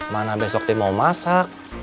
mana besok tim mau masak